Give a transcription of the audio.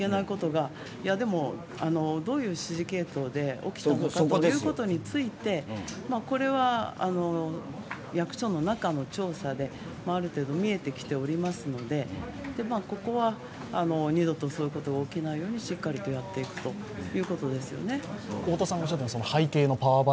でもどういう指示系統で起きたのかということについて、これは役所の中の調査である程度見えてきておりますのでここは二度とそういうことが起きないようにしっかりとやっていくということですよね。